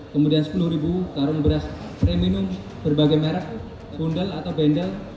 kemudian sepuluh karung beras premium berbagai merek undel atau bendel